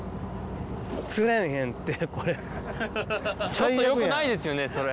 ちょっとよくないですよねそれ。